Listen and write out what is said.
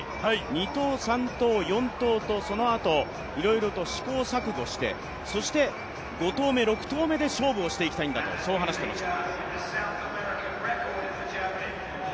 ２投、３投、４投とそのあといろいろ試行錯誤して、そして５投目、６投目で勝負をしていきたいんだとそう話していました。